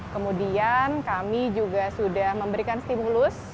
kemudian kami juga sudah memberikan stimulus